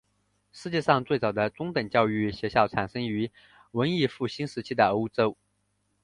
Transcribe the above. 世界上最早的中等教育学校产生于文艺复兴时期的欧洲。